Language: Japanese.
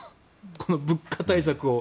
この物価対策を。